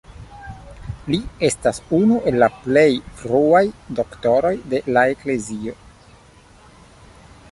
Li estas unu el la plej fruaj Doktoroj de la Eklezio.